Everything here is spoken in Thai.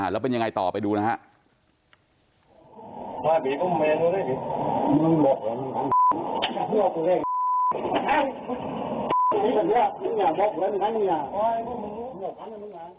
แล้วเป็นยังไงต่อไปดูนะครับ